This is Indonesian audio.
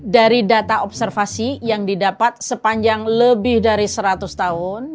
dari data observasi yang didapat sepanjang lebih dari seratus tahun